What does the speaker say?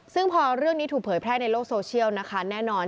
ซึ่งพอเรื่องนี้ถูกเผยแพร่ในโลกโซเชียลนะคะแน่นอน